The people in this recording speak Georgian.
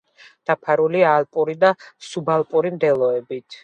დაფარულია ალპური და სუბალპური მდელოებით.